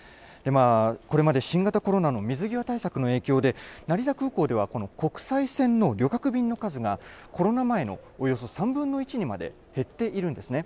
これまで新型コロナの水際対策の影響で、成田空港では、国際線の旅客便の数が、コロナ前のおよそ３分の１にまで減っているんですね。